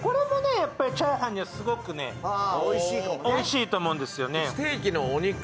やっぱりチャーハンにはすごくねおいしいと思うんですよね。